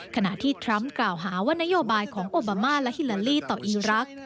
ขณะที่ทรัมป์กล่าวหาว่านโยบายของโอบามาและฮิลาลีต่ออีรักษ์